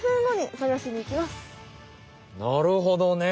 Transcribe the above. なるほどね。